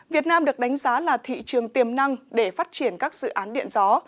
việt nam được đánh giá là thị trường tiềm năng để phát triển các dự án điện gió